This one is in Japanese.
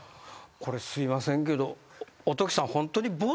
これすいませんけどおときさん。